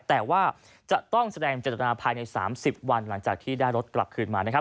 แต่ว่าจะต้องแสดงเจตนาภายใน๓๐วันหลังจากที่ได้รถกลับคืนมานะครับ